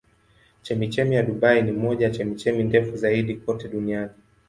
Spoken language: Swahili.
Chemchemi ya Dubai ni moja ya chemchemi ndefu zaidi kote duniani.